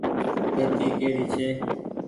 پيتي ڪيري ڇي۔